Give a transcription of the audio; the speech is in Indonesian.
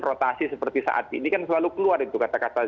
rotasi seperti saat ini kan selalu keluar itu kata kata